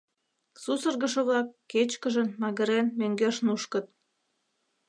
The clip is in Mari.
Сусыргышо-влак, кечкыжын, магырен, мӧҥгеш нушкыт.